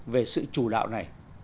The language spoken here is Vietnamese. về sự chủ đạo này